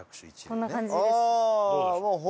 こんな感じです。